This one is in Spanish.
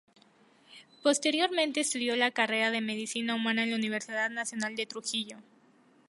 Posteriormente estudió la carrera de Medicina Humana en la Universidad Nacional de Trujillo.